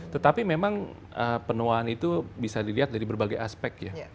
tetapi memang penuaan itu bisa dilihat dari berbagai aspek ya